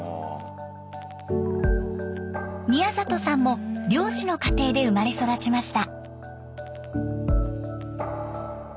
宮里さんも漁師の家庭で生まれ育ちました。